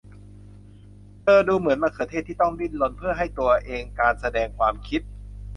เธอดูเหมือนมะเขือเทศที่ต้องดิ้นรนเพื่อให้ตัวเองการแสดงความคิด